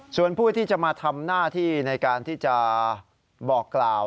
ส่วนผู้ที่จะมาทำหน้าที่ในการที่จะบอกกล่าว